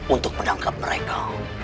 untuk menangkap mereka